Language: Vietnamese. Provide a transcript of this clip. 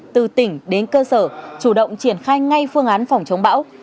từ tỉnh đến cơ sở chủ động triển khai ngay phương án phòng chống bão